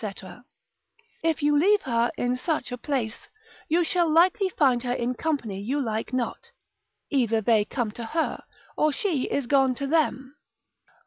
If you leave her in such a place, you shall likely find her in company you like not, either they come to her, or she is gone to them.